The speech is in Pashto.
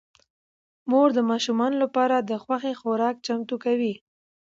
مور د ماشومانو لپاره د خوښې خوراک چمتو کوي